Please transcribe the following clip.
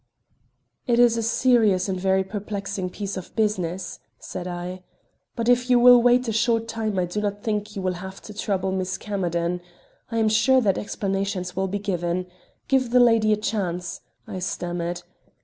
"It is a serious and very perplexing piece of business," said I; "but if you will wait a short time I do not think you will have to trouble Miss Camerden. I am sure that explanations will be given. Give the lady a chance," I stammered.